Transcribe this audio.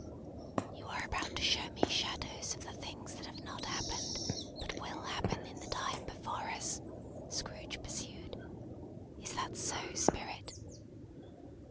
"You are about to show me shadows of the things that have not happened, but will happen in the time before us," Scrooge pursued. "Is that so, Spirit?"